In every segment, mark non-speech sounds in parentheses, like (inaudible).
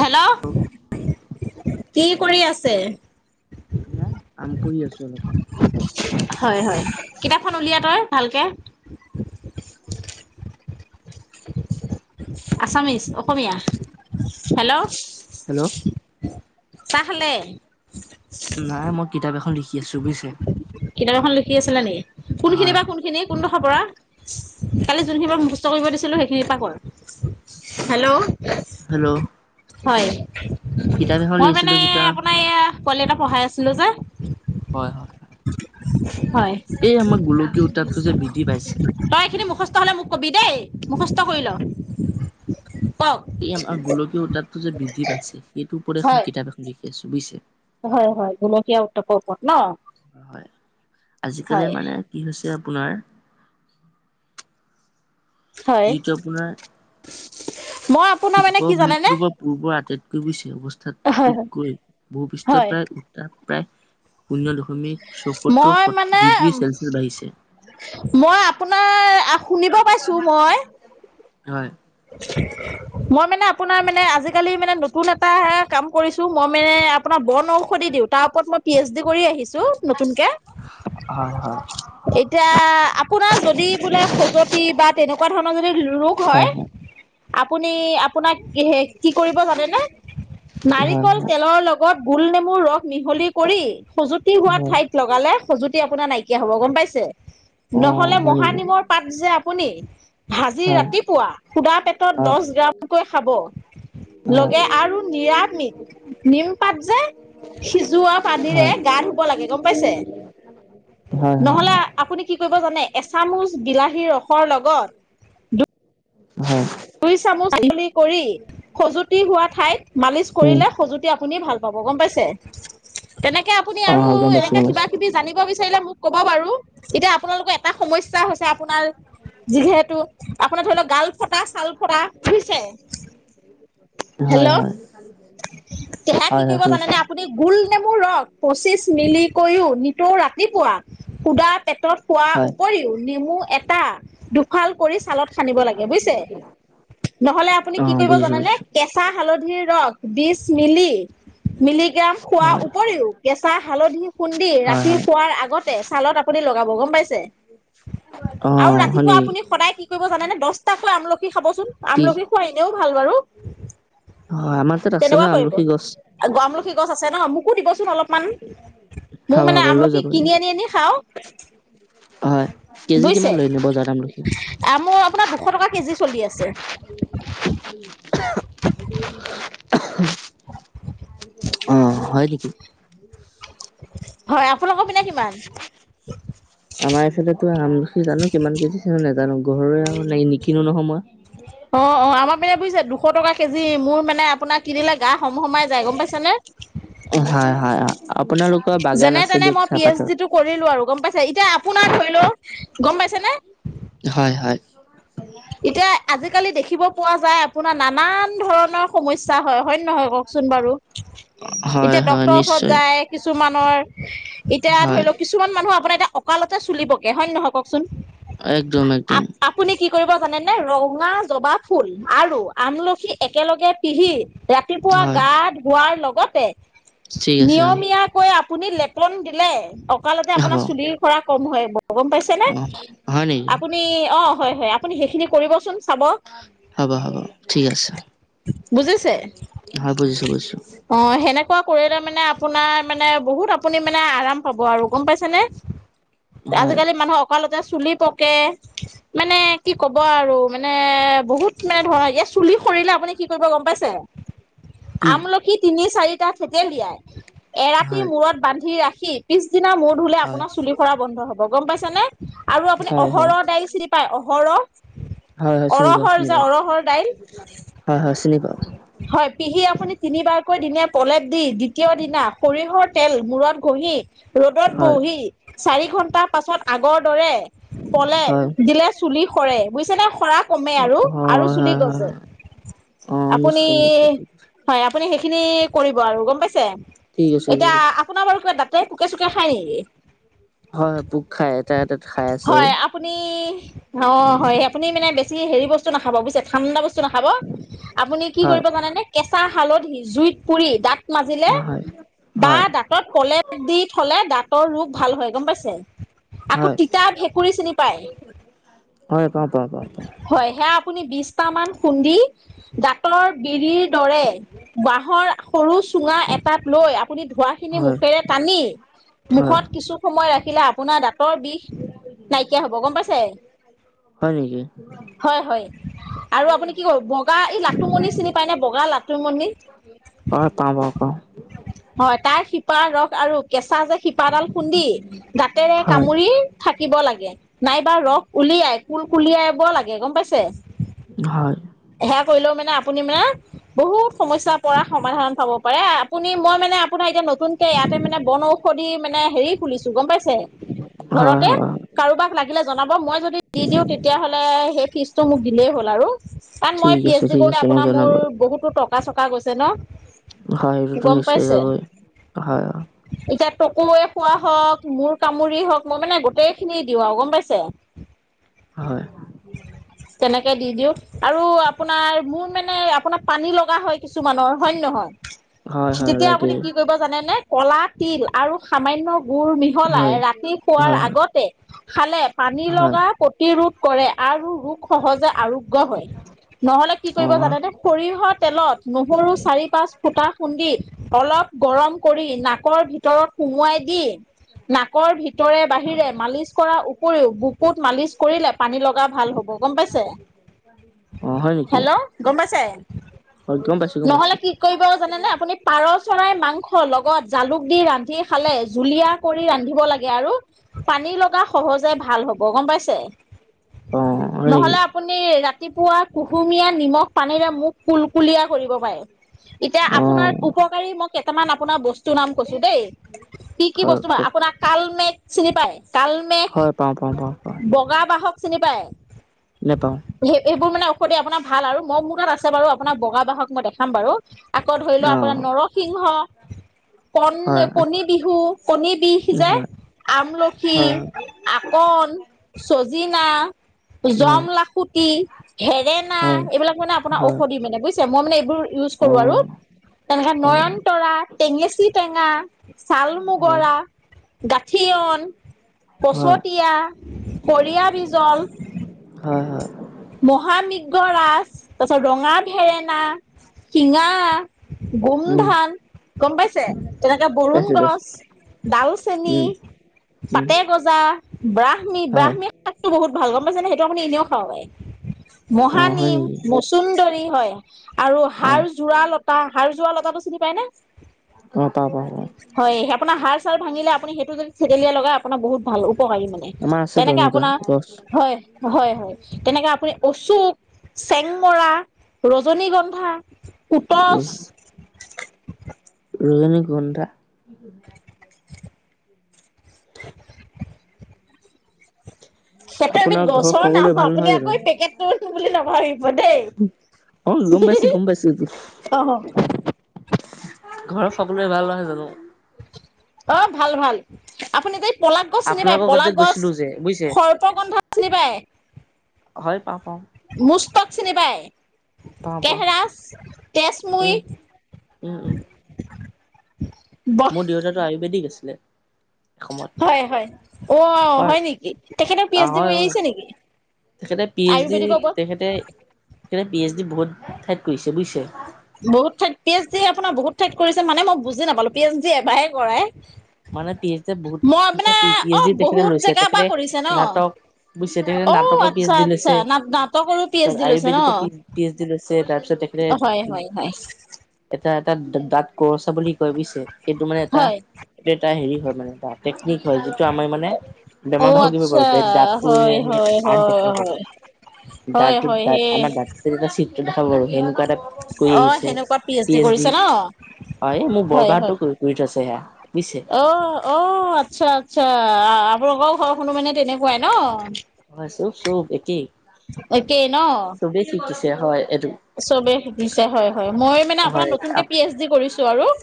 Hello কি কৰি আছে ন কম কৰি আছো অলপমান হয় হয় কিতাপখন উলিয়া তই (inaudible) আছামিছ অসমীয়া হেল্ল' হেল্ল' তাহলে (unintelligible) নাই মই কিতাপ এখন লিখি কি (unintelligible) চু বোইছে কিতাপ এখন লিখি আছিলে নেকি কোনখিনি বা কোনখিনি কোনডোখৰ পৰা কালি যোনখিনি পৰাক মুখস্থ কৰিব দিছিলো সেইখিনিৰ পৰা ক হেল্ল' হেল্ল' হয় কিতাপ এখন মই লিখিছিলো মানে যেতিয়া আপোনাৰ এইয়া কল এটা পঢ়াই আছিলো যে হয় হয় হয় এই আমাৰ গোলকীয় উত্তাপটো যে বৃদ্ধি পাইছে। তই এইখিনি মুখস্থ হলে মোক কবি দেই মোখস্থ কৰি ল কওক। এই আমাৰ গোলকীয় ওত্তাপতো যে বৃদ্ধি পাইছে সেইটোৰ ওপৰত হয় এখন কিতাপ এখন লিখ (unintelligible) এয়া চু বুইছে হয় হয় গলকীয়া উত্তাপৰ ওপৰত ন হয় আজিকালি হয় মানে কি হৈছে আপোনাৰ হয় যিটো আপোনাৰ মই আপোনাৰ মানে শি্প কি জানেনে বিপটো পৰা পূৰ্বৰ আটাইতকৈ বেছি হয় হয় অৱস্থাটোতকৈ ভূপৃষ্ঠত হয় প্ৰায় উত্তাপ প্ৰায় শূন্য দশমিক মই চৌসত্তৰ মানে ডিগ্ৰী ছেলচিয়াছ বাঢ়িছে নাৰ (unintelligible) শুনিব পাইছো মই হয় মই মানে আপোনাৰ মানে আজিকালি মানে নতুন এটা কাম কৰিছো মই মানে আপোনাৰ বন ঔষধি দিওঁ তাৰ ওপৰত মই পি এইচ ডি (unintelligible) কৰি আহিছো নতুনকে হয় হয় এতিয়া আপোনাৰ যদি বোলে খজতি বা তেনেকুৱা ধৰণৰ যদি ৰোগ হয় আপু (unintelligible) নি ', আপোনাৰ কি কৰিব জানেনে হয় নাৰিকল হয় হয় তেলৰ লগত গুল নেমু, মোৰ ৰস, মিহলি কৰি সজুতি হোৱা হয় ঠাইত লগালে সজু, খজুটি আপোনাৰ নাইকিয়া হ'ব গম পাইছে? অ নহ'লে হয় নেকি মহানিমৰ পাত যে, আপুনি ভাজি হয় ৰাতিপুৱা, পেটত হয় দচ গ্ৰামকৈ খাব হয় লগে আৰু নিৰামিষ নিমপাত যে সিজোৱা পানীৰে হয় গা ধুব লাগে গম পাইছে? (inaudible) হয় হয় নহলে আপুনি কি কৰিব জানে? এচামুচ বিলাহীৰ ৰসৰ লগত, দু, হয় দুই চামুচ আঙুলি কৰি সজুতি হোৱা ঠাইত মালিচ উম কৰিলে সজুতি আপুনি ভাল পাব, গম পাইছে, তেনেকে আপুনি অ আৰু গম পাইছো এনেকে গম কিবা- পাইছো -কিবি জানিব বিচাৰিলে মোক কব বাৰু, এতিয়া আপোনালোকৰ এটা সমস্যা হৈছে, আপোনাৰ, যিহেতু, আপোনাৰ ধৰি লক গাল ফটাচ, ছাল ফটাহ বুজিছে? হয় হেল্ল'হ হয় তেহা হয় হয় কৰিব শুনিছো জানেনে আপুনি গুল, নেমু ৰস পঁচিছ মিলি কৰিও নিতৌ ৰাতিপুৱা সুধা, পেটত খোৱাৰ হয় উপৰিও নেমু- এটা দুফাল, কৰি ছালত খানিব লাগে, বুজিছে? নহলে, আপুনি অ কি কৰিব বুজিছো জানেনে বুজিছো কেঁচা হালধিৰ, ৰস বিছ মিলি, মিলি গ, গ্ৰাম খোৱাৰ হয় উপৰিও কেঁচা, হালধি, - খুন্দি হয় ৰাতি হয় শোৱাৰ আগতে ছালত আপুনি লগাব। গম পাইছে? অ আৰু হয় ৰাতিপুৱা নেকি আপুনি সদায় কি কৰিব জানে নে দচটাকৈ আমল, কি খাবচোন কি আমলখি খুৱা এনেও, ভাল বাৰু। হয় আমাৰ তাত আছে ন তেনেকুৱা কৰিব আমলখি গছ আমলখি গছ আছে ন, মোকো দিবচোন অলপমান মোক মানে হাবাবলৈ আমলখি যাবহি কিনি আনি- আনি খাওঁ, হয় কেজি কিমান বুজিছে লয়নো বজাৰত আমলখি আ, মোৰ আপোনাৰ দুশ টকা কেজি, চলি আছে। (unintelligible) (unintelligible) অ, হয় নেকি? (inaudible) হয়, আপোনালোকৰ? ফালে কিমান? আমাৰ এইফালেতো আমলখি জানো কিমান কেজি চে নাজানো ঘৰৰে আৰু নিকিনো নহয় মই। অ', অ', আমাৰ পিনে বুজিছে দুশ টকা। কেজি মোৰ মানে আপোনাক কনিলে গা সম, সমাই যায় গম পাইছ নে? আপোনালোক? যেনে তেনে মই পি এইচ ডি টো কৰিলো আৰু গম পাইছে এতিয়া আপোনাৰ ধৰি লও। গম পাইছে নে? হয়, হয়। এতিয়া আজিকালি দেখিব পোৱা যায় আপোনাৰ নানান ধৰণৰ সমস্যা হয়। হয়ে, নহয় কওকচোন বাৰু? হয় এতিয়া হয় ড্ক্তৰৰ ওচৰত নিশ্চয় যায় কিছুমান? আমাৰ। এতিয়া ধৰি হয় লওক কিছুমান মানুহ আপোনাৰ এয়া অকালতে চুলিপকে হয় নে নহয় ক। একদম, একদম। কি কৰিব জানেনে ৰঙা জবা ফুল আৰু আমলখি একেলগে পিহি ৰাতিপুৱা হয় গা ধোৱাৰ লগত বতে। ঠিক আছে অ নিয়মীয়াকৈ আ আপুনি লেপন দিলে, অ। ককালতে হ'ব আপোনাৰ চুলিৰ কৰা। কম, হয়। অ, গম পাইছেনে অ হয় নেকি আপুনি অঁ। হয়, হয়। আপুনি সেইখিনি কৰিবচোন। চাব হ'ব, হ'ব ঠিক আছে। বুজিছে? অ, বুজিছো, বুজিছো। এনেকোৱা কৰিলে মানে আপোনাৰ মানে বহুত আপুনি মানে আৰাম পাব আৰু গম পাইছেনে। হয় আজিকালি মানুহ অকালতে? চুলি পকে মানে। কি কব আৰু মানে বহুত মানে ধৰা এ চুলি সৰিলে আপুনি কি কৰিব গম পাইছে? কি আমলখি তিনি চাৰি ছেতেলিয়ে (unintelligible) এৰাতি হয় মূৰত বান্ধি ৰাখি কি পিছ নিছদিনা মূৰ ধুলে হয় আপোনাৰ চুলি সৰা বন্ধ হ'ব গম পাইছা নে আৰু আপুনি হয় হয় অহৰহ দাইল চিনি পায় ঘৰ হয় হয় চিনি পাওঁ অৰহৰ চিনি য পাওঁ অৰহৰ দাইল, হয় হয় চিনি পাওঁ হয় পিহি আপুনি তিনিবাৰ কৈ দিনে পলেপ দি দ্বিতীয় দিনা সৰিয়হৰ তেল মূৰত ঘঁহি ৰ'দত হয় বহি চাৰি ঘন্টাৰ পাছত আগত দৰে পলে হয় দিলে কৰে বুজিছে নে খৰাক কমে আৰু আৰু হয় চুলি হয় গজে, হয় অ আপুনি নিশ্চয় নিশ্চয় ঠিক আছে হয় আপুনি খিনি কৰিব আৰু গম পাইছে ঠিক আছে এতিয়া ঠিক আছে আপোনাৰ বাৰু ক তই পোকে চুকে খাই নেকি হয় হয় পোক খাই এটা এটাত খাই আছে অ হয় আপুনি অ হয় আপুনি মানে বেছি হৰি বস্তু নেখাবা ঠাণ্ডা বস্তু নাখাব আপুনি কি হয়, কৰিব জানেনে কেঁচা হালধি জুইত পুৰি দাত মাজিলে হয়, বা হয়, দাঁতত কলে দি থলে দাঁতৰ ৰোগ ভাল হয় গম পাইছে। (unintelligible) হয়, তিতা ভেকুৰী চিনি পায়, হয়, পাওঁ, পাওঁ, পাওঁ, পাওঁ, হয় সেয়া বিশটা মান খুন্দি দাঁতৰ বিৰিত দৰে বাহঁৰ সৰু চুঙা এটাত লৈ আপুনি ধোৱা খিনি হয়, মুখেৰে টানি হয়, মুখত কিছু সময় ৰাখি আহখিলে আপোনাৰ দাঁতৰ বিষ নাইকিয়া হ'ব গম পাইছে হয় নেকি হয় হয় আৰু আপুনি কি ক বগা এই লাতুমণি চিনি পায় ন বগা লাতুমণি ঘ তবক শিপা ৰস আৰু কেঁচা চাহ যে শিপাডাল খুন্দি দাঁতেৰে হয়, কামুৰি ল নাইবা ৰস উলিয়াই উলিয়াব লাগে গম পাইছে হয়, সেয়া কৰিলো মানে আ- পূৰ্ণিমা বহুত সমস্যা পৰা সমাধান পাব পাৰে আপুনি মই মানে আপোনাৰ এতিয়া নতুনকে ইয়াতে মানে বন ঔষধি মানে হেৰি খুলিছো গম পাইছে হয়, ঘৰতে হয়, হয়। কাৰোবাৰ লাগিলে জনাব মই যদি দি দিওঁ তেতিয়া হ'লে সেই ফিচটো মোক দিলেই হ'ল আৰু কাৰণ মই ঠিক আছে, পিএইচডি ঠিক কৰোতে আছে, মই আপোনাৰ জনাম মোৰ বাৰু। বহুত টকা চক- থকা গৈছে ন হয়, সেইটোতো গম নিশ্চয় পাইছে যাবই, হয়, এতিয়া তকোমে খোৱা হওক মোৰ কামুৰি হওক মই মানে গোটেই খিনি দিওঁ আৰু গম পাইছে হয় তেনেকৈ দি দিওঁ আৰু আপোনাৰ মোৰ মানে আপোনাক পানী লগা হয় কিছুমানৰ হয় নহয় হয়, হয়, তেতিয়া আপুনি লাগেই, কি কৰিব জানে নে কলা তিল আৰু সামান্য গুৰ মিহলাই হয়। ৰাত- তি খোৱাৰ হয়, আগতে খালে পানী হয়, লগা প্ৰতি- ৰোধ কৰে আৰু ৰোগ সহজে আৰোগ্য হয় নহ'লে কি কৰিব অ', জানেনে সৰিয়হৰ তেলত নহৰু চাৰি পাঁচ ফুটা খুন্দি অলপ গৰম কৰি নাকৰ ভিতৰত সুমোৱাই দি নাকৰ ভিত- ভিতৰে বাহিৰে মালিচ কৰা উপৰিও বুকুত মালিচ কৰিলে পানী লগা ভাল হ'ব গম পাইছে। অ', হয় নেকি? হেল্ল গম পাইছে হয়, গম পাইছোঁ, গম নহ'লে পাইছোঁ, কি কৰিব জানেনে আপুনি পাৰ চৰাই মাংসৰ লগত গত জালুক দি ৰান্ধি খালে জুলীয়া কৰি ৰান্ধিব লাগে আৰু পানী লগা সহজে ভাল হ'ব গম পাইছে। অ', হয় নেকি? নহ'লে আপুনি ৰাত- ৰাতিপুৱা কুহুমীয়া নিমখ পানীৰে মোখ কুলকুলীয়া কৰিব পাৰে এতিয়া আপোনাৰ অ', উপকাৰী মই কেইটামান আপোনাৰ বস্তুৰ নাম কৈছো দেই কি কি হয়, বস্তু বা কওক, আপোনাক মেচ চিনি পায় কালমেষ হয়, পাওঁ, পাওঁ, পাওঁ, পাওঁ, বগা বাহক চিনি পায় নেপাওঁ, এইবোৰ মানে সতে আপোনাৰ ভাল আৰু মই মোৰ তাত আছে বাৰু আপোনাৰ বগা বাহক মই দেখাম বাৰু আকৌ ধৰি লওক অ', আপোনাৰ নৰসিংহ কণ হয়, কণী বিহু কণী বিষ ইজে হয়। আমলখি, হয়, অকন, চজি- না হয়, জমলাখুটি, হেৰেনা, হয়, এইবিলাক মানে আপোনাৰ হয়, ঔষধি মানে বুজিছে, মই মানে এইবোৰ ইউজ কৰোঁ আৰু অ', তেনেকৈ হয়, নয়নতৰা, টেঙেচী টেঙা, ছাল হয়, মুগৰা, গাঠিয়ন, - হয়, পচতীয়া, কৰিয়া বিজল, হয়, হয়, মহামগ, গৰাজ, তাৰ পিছত ৰঙা ভেৰেনা, শিঙা, উম, গোমধান, গম পাইছে তেনেকে বৰুণ পাইছোঁ, গছ, পাইছোঁ, ডালচেনি, উম, উম, পাতে গজা, ব্ৰাহ্মী হয়, -ব্ৰাহ্মী, বহুত ভাল গম পাইছোনে সেইটো আপুনি এনেও খাব পাৰে, অ', হয় মহানিম, নেকি? মচুন্দৰী, হয়। আৰু হাৰ অ', যোৰা লতা, হাৰ যোৰা লতাটো চিনি পায় নে? অ', পাওঁ, পাওঁ, পাওঁ, হয়, আপোনাৰ হাৰ, ভাঙিলে আপুনি সেইটো যদি থেতেলিয়াই লগাই আপোনাৰ বহুত, ভালো। কয় মানে, আমাৰ আছেতো তেনেকে এনেকুৱা আপোনাৰ গছ। হয়, হয় -হয় তেনেকে আপুনি অচোক, চেংমৰা, ৰজনীগন্ধা, পুটচ, ৰজ- (inaudible) (unintelligible) (inaudible) সেইটো এবিধ আপোনাৰ ঘৰৰ গছৰ নাম সকলোৰে হয়, ভাল আপুনি নহয় আকৌ জানো? এই পেকেটটো, টো বুলি নাভাবিব, দেই অ, গম পাইছোঁ, গম পাইছোঁ এইটো। অ ঘৰত সকলোৰে ভাল নহয় জানো? অহ, ভাল -ভাল আপুনি যে, পলাক গছ চিনি পায়? আপোনালোকৰ ঘৰত যে পলাক গছ, গৈছিলোঁ যে, বুজিছে? সৰ্পগন্ধা চিনি পায়? হয়, পাওঁ-পাওঁ। মুস্তক চিনি পাই? পাওঁ, পাওঁ, কেহৰাচ, উম, উম, উম, কেচমুই, মোৰ দেউতাটো আয়ুৰ্বেদিক আছে। (unintelligible) হয় -হয়, উঅ', হয় নেকি? তেখেত পি- অ' এইচ -ডি হয় কৰি হয় আহিছে নেকি? তেখেতে পি - এইচ -ডি, আয়ুৰ্বেদিকৰ ওপৰত তেখেতে? পি এইচ ডি বহুত ঠাইত কৰিছে বুজিছে। বহুত ঠাইত পি এইচছ ডি আপোনাৰ বহুত ঠাইত কৰিছে মানে মই বুজি নাপালো পি এইচছ ডি এবাৰহে কৰাই। মানে পি এইচ ড বহুত মই ক মানে পি অ এইচ ডি তেখেতে বহুত লৈছে, জেগাৰ পৰা তেখেতে কৰিছে ন নাটক বুজছে তেখেতে অ নাটকৰ পি এইচ আচ্ছা ডি আচ্ছা লৈছে, না নাটকৰো পি এইচ তাৰপিছত ডি লৈছে ন আয়ুৰ্বেদিক পি এইচ ডি লৈছে, তাৰপিছত তেখেতে? হয় এ, (inaudible) এটা দাঁ কৰচা বুলি কয় বুজিছে সেইটো মানে হয় এটা হেৰি, হয় মানে এ টেকনিক হয় যিটো আমাৰ মানে অ বেমাৰ ভাল কৰিবিব আচ্ছা পাৰোঁ যে দাঁতটোৰে হয় আমি এটা হয় আট হয় দেখাব পাৰোঁ, হয় হয় দাঁতৰ, হয় দাঁত সেই আমাৰ দাঁতক এ দেখাব পাৰোঁ সেনেকুৱা টাইপ কৰি অ আহিছে, সেনেকুৱাত পি এইচ ডি কৰিছে ন হয়, মোক হয় বৰবাহাতো হয় কৰি থৈছে। যেয়া। অ', অ', আচ্ছা, আচ্ছা। অ', আমালোকৰ ঘৰ শুনো মানে তেনেকুৱাই ন'। হয়, চুপ, চুপ একে, একেই ন ছবে চুপ হৈছে। তে হয়। এইটো চবে শিকিছে হয়, হয় মই মানে আপোনাক হয়। নতুনকে পি এইচ ডি কৰিছো আৰু। হয়।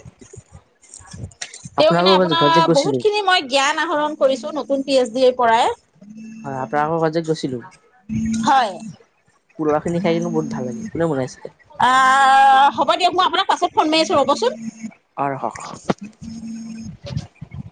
তেওঁ মানে আপোনালোকৰ আপোনাৰ ঘৰত যে বহুত গৈছিলো খিনি মই জ্ঞান আহৰণ কৰিছো, নতুন। পি এইচ ডি পৰাই হয়, আপোনাৰ আকৌ ঘৰত গৈছিলো আয়। পোলাও খিনি খাই কিন্তু বহুত ভাল লাগিল কোনে বনাইছিলে? হ'ব দিয়ক মই আপোনাক পাছত ফন মৰি আছো, ৰ'বচোন। (unintelligible)